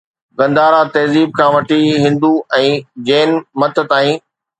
گنڌارا تهذيب کان وٺي هندو ۽ جين مت تائين